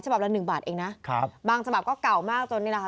ฉบับละหนึ่งบาทเองนะครับบางฉบับก็เก่ามากจนนี่แหละค่ะ